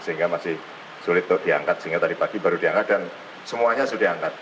sehingga masih sulit untuk diangkat sehingga tadi pagi baru diangkat dan semuanya sudah diangkat